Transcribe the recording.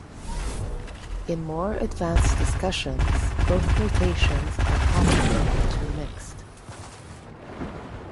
In more advanced discussions, both notations are commonly intermixed.